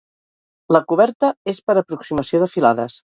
La coberta és per aproximació de filades.